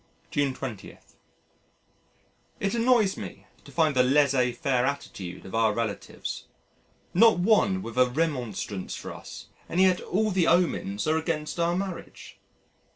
June 20. ... It annoys me to find the laissez faire attitude of our relatives. Not one with a remonstrance for us and yet all the omens are against our marriage.